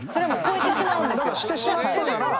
してしまったなら。